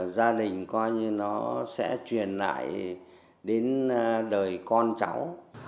gia đình coi như nó sẽ truyền lại đến đời con cháu